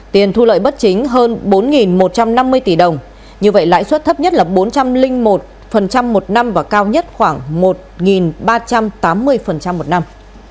tiền thu lợi bất chính hơn bốn một trăm năm mươi tỷ đồng như vậy lãi suất thấp nhất là bốn trăm linh một một năm và cao nhất khoảng một ba trăm tám mươi một năm